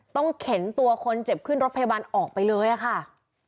เข็นตัวคนเจ็บขึ้นรถพยาบาลออกไปเลยค่ะ